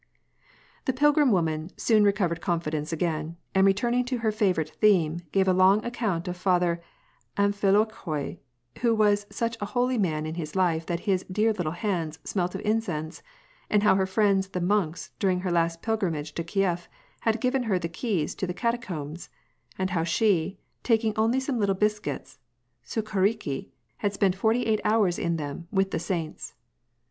The pilgrim woman soon recovered confidence again, and re turning to her favorite theme, gave a long account of Father Amfilokhi, who was such a holy /nan in his life that his " dear little hands " smelt of incense, and how her friends the monks during her last pilgrimage to Kief had given her the keys to the catacombs, and how she, taking only some little biscuits — mtkhdHki — had spent forty eight hours in them with the saints.